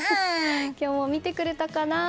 今日も見てくれたかな。